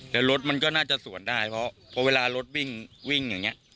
แต่รถมันก็น่าจะสวนได้เพราะพอเวลารถวิ่งวิ่งอย่างนี้